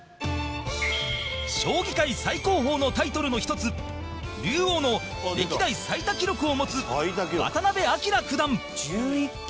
将棋界最高峰のタイトルの１つ竜王の歴代最多記録を持つ渡辺明九段柴田：１１期？